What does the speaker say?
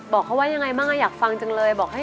บอกเขาว่ายังไงบ้างอะอยากฟังจังเลย